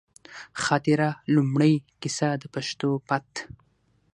خاطره، لومړۍ کیسه ، د پښتو پت